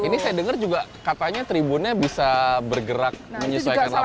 ini saya dengar juga katanya tribunnya bisa bergerak menyesuaikan lapangan